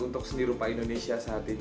untuk seni rupa indonesia saat ini